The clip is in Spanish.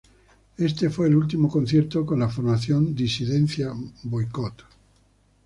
Este fue el último concierto con la formación Disidencia-Boikot.